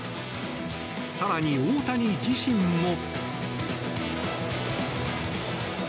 更に、大谷自身も。